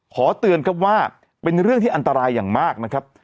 ขอเตือนครับว่าเป็นเรื่องที่อันตรายอย่างมากนะครับ